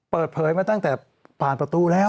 เปิดเผยมาตั้งแต่ผ่านประตูแล้ว